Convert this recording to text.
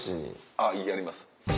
あっやります。